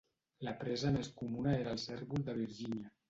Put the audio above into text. La presa més comuna era el cérvol de Virgínia.